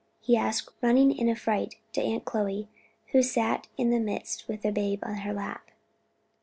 he asked, running in affright to Aunt Chloe, who sat in their midst with the babe on her lap.